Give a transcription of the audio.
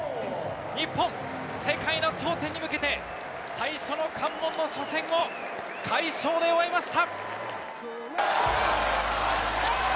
日本、世界の頂点に向けて最初の関門の初戦を快勝で終えました！